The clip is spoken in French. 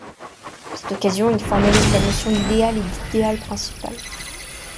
À cette occasion, il formalise la notion d'idéal et d'idéal principal.